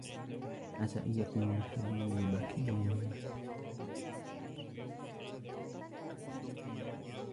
عَسَى أَنْ يَكُونَ حَبِيبَك يَوْمًا مَا